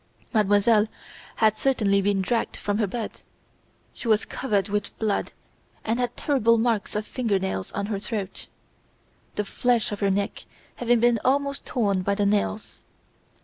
Mademoiselle had certainly been dragged from her bed. She was covered with blood and had terrible marks of finger nails on her throat, the flesh of her neck having been almost torn by the nails.